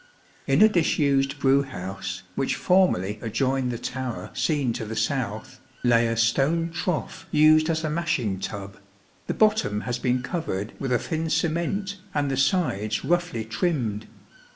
In a disused brew house, which formerly adjoined the tower seen to the south, lay a stone trough used as a mashing tub. The bottom has been covered with a thin cement and the sides roughly trimmed.